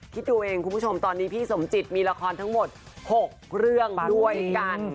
คิดดูเองคุณผู้ชมตอนนี้พี่สมจิตมีละครทั้งหมด๖เรื่องด้วยกัน